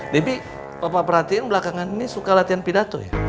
debbie bapak perhatiin belakangan ini suka latihan pidato ya